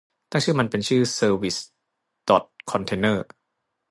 ตั้งชื่อมันเป็นชื่อเซอร์วิสดอทคอนเทอนเนอร์